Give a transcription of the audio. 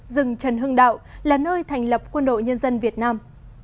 rừng trần hưng đạo là nơi thành lập quân đội nhân dân việt nam